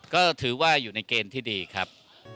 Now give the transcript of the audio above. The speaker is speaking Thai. ก็ถือว่าอยู่ในเกณฑ์ที่ดีครับ